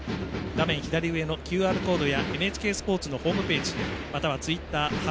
画面左上のＱＲコードや「ＮＨＫベースボール」のホームページまたはツイッター「＃